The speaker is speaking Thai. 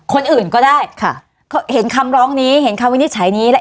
คนอื่นก็ได้ค่ะเห็นคำร้องนี้เห็นคำวินิจฉัยนี้แล้ว